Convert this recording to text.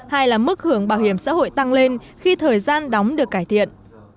hai là mức hưởng bảo hiểm xã hội tăng lên khi thời gian đóng được cải thiện